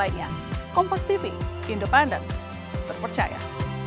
kompas tv independen berpercaya